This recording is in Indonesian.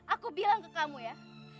aku bilang ke kamu ya